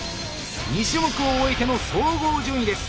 ２種目を終えての総合順位です。